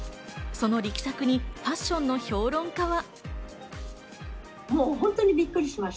その力作にファッションの評論家は。